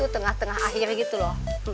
tengah tengah akhir gitu loh